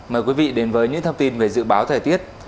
mời quý vị đến với những thông tin về dự báo thời tiết